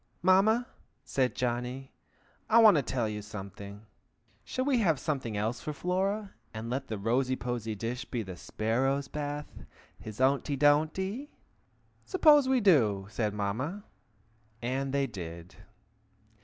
"Mamma!" said Johnny. "I want to tell you something. Shall we have something else for Flora, and let the rosy posy dish be the sparrow's bath, his ownty donty?" "Suppose we do!" said Mamma. And they did.